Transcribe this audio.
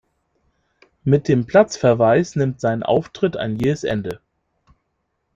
Mit dem Platzverweis nimmt sein Auftritt ein jähes Ende.